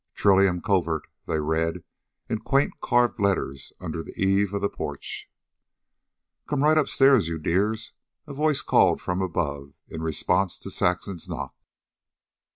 "Trillium Covert," they read, in quaint carved letters under the eave of the porch. "Come right upstairs, you dears," a voice called from above, in response to Saxon's knock.